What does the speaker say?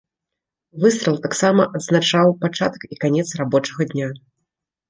Выстрал таксама адзначаў пачатак і канец рабочага дня.